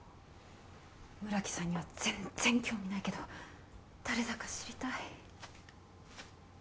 村木さんには全然興味ないけど誰だか知りたい。